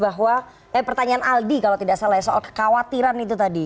eh pertanyaan aldi kalau tidak salah ya soal kekhawatiran itu tadi